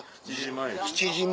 ７時前。